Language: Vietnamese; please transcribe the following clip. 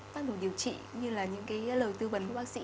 tất cả điều trị như là những cái lời tư vấn của bác sĩ